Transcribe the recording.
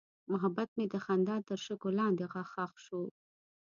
محبت مې د خندا تر شګو لاندې ښخ شو.